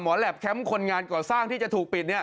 แหลปแคมป์คนงานก่อสร้างที่จะถูกปิด